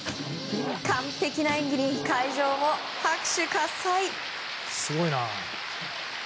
完璧な演技に会場も拍手喝采。